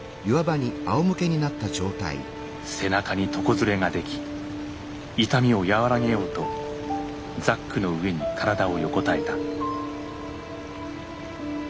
背中に床擦れができ痛みを和らげようとザックの上に体を横たえた。